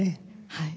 はい。